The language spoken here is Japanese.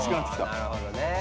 なるほどね。